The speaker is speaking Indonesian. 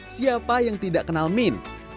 siapa yang tidak kenal min